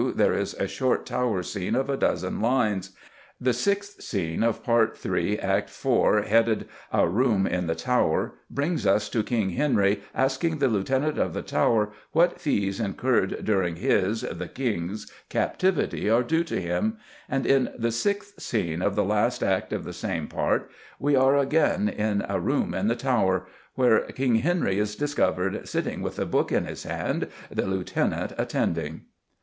there is a short Tower scene of a dozen lines; the sixth scene of Part III. Act IV., headed "A room in the Tower," brings us to King Henry asking the Lieutenant of the Tower what fees incurred during his (the King's), captivity are due to him; and in the sixth scene of the last act of the same part, we are again in "A room in the Tower," where "King Henry is discovered sitting with a book in his hand, the Lieutenant attending."